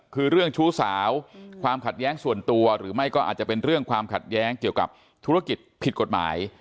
คือเรื่องชู้สาวความขัดแย้งส่วนตัวหรือไม่ก็อาจจะเป็นเรื่องความขัดแย้งเกี่ยวกับธุรกิจผิดกฎหมาย